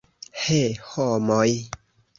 He, homoj!